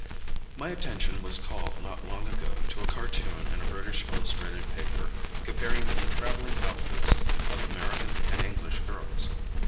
My attention was called not long ago to a cartoon in a British illustrated paper comparing the traveling outfits of American and English girls.